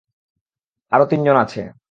আরো তিনজন আছে।